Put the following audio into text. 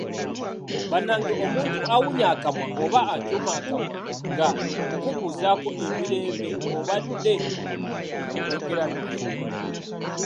Bannange omuntu awunnya akamwa oba acuuma akamwa nga okubuuzaako emirembe ng'obade oyogera naye!